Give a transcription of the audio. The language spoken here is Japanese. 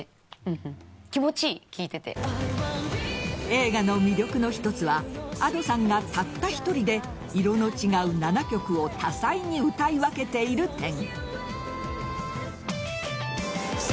映画の魅力の一つはＡｄｏさんがたった１人で色の違う７曲を多彩に歌い分けている点。